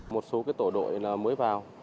một số tổ đội mới vào